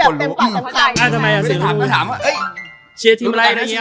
เชียร์ทีมไร